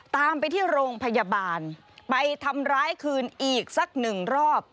ตามไปที่โรงพยาบาลไปทำร้ายคืนอีกสักหนึ่งรอบ